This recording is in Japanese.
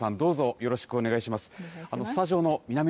よろしくお願いします。